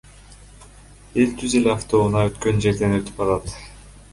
Эл түз эле автоунаа өткөн жерден өтүп жатат.